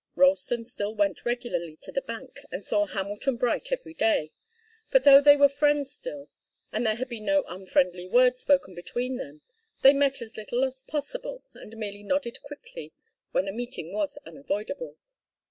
Ralston still went regularly to the bank and saw Hamilton Bright every day. But though they were friends still, and there had been no unfriendly word spoken between them, they met as little as possible and merely nodded quickly when a meeting was unavoidable.